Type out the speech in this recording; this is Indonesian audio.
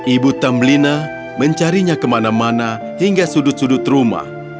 ibu tambelina mencarinya kemana mana hingga sudut sudut rumah